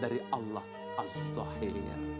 dari allah al zahir